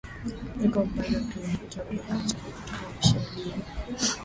iko umbali wa kilometa arobaini na tano kutoka Moshi mjini